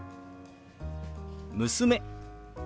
「娘」。